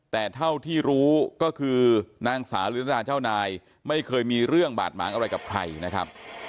แต่เท่าที่รู้ก็คือนางสาวลินดาเจ้านายไม่เคยมีเรื่องบาดหมางอะไรกับใครนะครับ